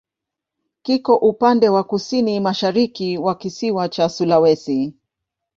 Kiko upande wa kusini-mashariki wa kisiwa cha Sulawesi.